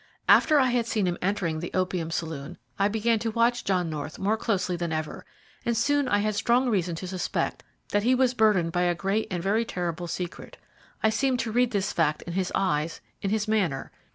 "After I had seen him enter the opium saloon, I began to watch John North more closely than ever, and soon I had strong reason to suspect that he was burdened by a great and very terrible secret. I seemed to read this fact in his eyes, in his manner.